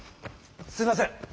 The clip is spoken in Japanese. すいません！